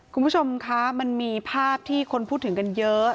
คุณผู้ชมคะมันมีภาพที่คนพูดถึงกันเยอะ